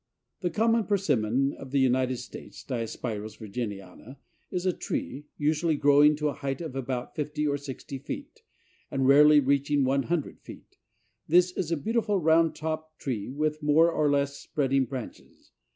The common Persimmon of the United States (Diospyros virginiana) is a tree, usually growing to a height of about fifty or sixty feet, and rarely reaching one hundred feet. This is a beautiful round topped tree with more or less spreading branches.